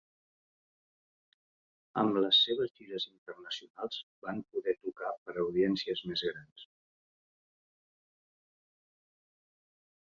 Amb les seves gires internacionals, van poder tocar per audiències més grans.